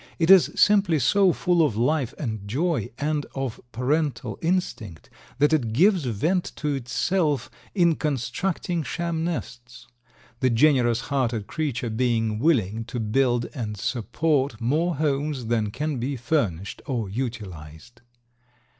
It is simply so full of life and joy and of parental instinct that it gives vent to itself in constructing sham nests; the generous hearted creature being willing to build and support more homes than can be furnished or utilized.